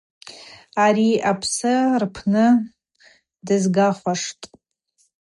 Ари апсы рпны дызгахуаштӏ.